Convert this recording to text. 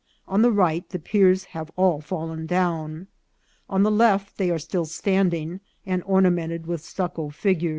On the right the piers have all fallen down. On the left they are still standing, and ornamented with stucco figure*.